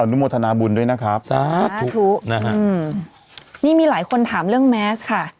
นุโมทนาบุญด้วยนะครับสาธุนะฮะอืมนี่มีหลายคนถามเรื่องแมสค่ะ